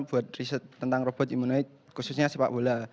buat riset tentang robot immunoid khususnya sepak bola